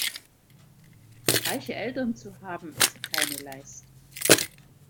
Reiche Eltern zu haben, ist keine Leistung.